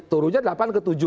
turunnya delapan ke tujuh